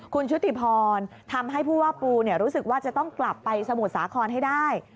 คุณชุติพรทำให้ผู้ว่าปูรู้สึกว่าจะต้องกลับไปสมุทรสาครให้ได้